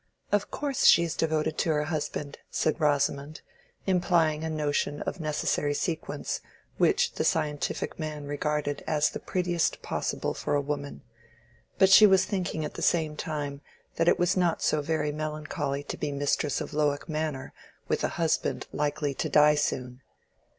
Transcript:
"Of course she is devoted to her husband," said Rosamond, implying a notion of necessary sequence which the scientific man regarded as the prettiest possible for a woman; but she was thinking at the same time that it was not so very melancholy to be mistress of Lowick Manor with a husband likely to die soon.